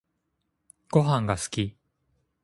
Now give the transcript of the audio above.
ごはんが好き